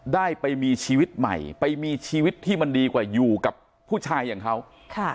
ได้ไปมีชีวิตใหม่ไปมีชีวิตที่มันดีกว่าอยู่กับผู้ชายอย่างเขาค่ะ